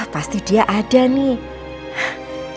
pasti dia ada nih